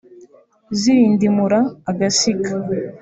zirindimura Agasiga